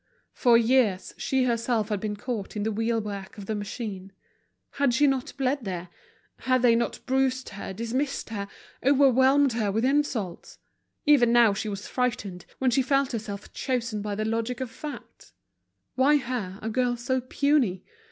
For years, she herself had been caught in the wheel work of the machine. Had she not bled there? Had they not bruised her, dismissed her, overwhelmed her with insults? Even now she was frightened, when she felt herself chosen by the logic of facts. Why her, a girl so puny?